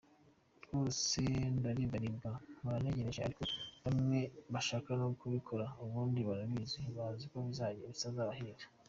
Rwose ndaribwaribwa mpora ntegereje, ariko bamwe bashaka no kubikora ubundi barabizi, bazi ko bitazabahira.